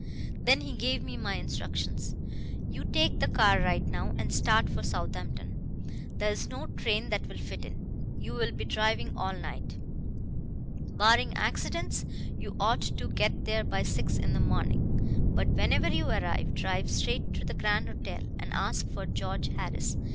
Then he gave me my instructions 'You take the car right now and start for Southampton there's no train that will fit in. You'll be driving all night. Barring accidents, you ought to get there by six in the morning. But whenever you arrive, drive straight to the Grand Hotel and ask for George Harris.